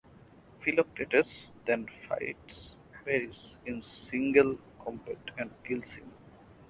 Philoctetes then fights Paris in single combat and kills him.